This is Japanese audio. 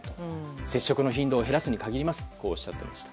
接触の頻度を減らすに限りますとおっしゃっていました。